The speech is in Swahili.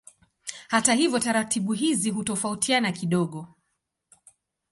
Hata hivyo taratibu hizi hutofautiana kidogo.